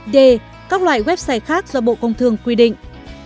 d các loại website khác do bộ công thương quy định